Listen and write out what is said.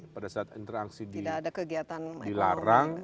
pada saat interaksi dilarang